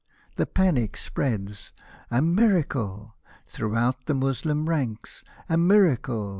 The panic spreads —" A miracle !" throughout The Moslem ranks, '' a miracle